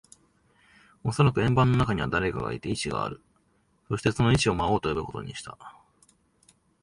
おそらく円盤の中には誰かがいて、意志がある。そして、その意思を魔王と呼ぶことにした。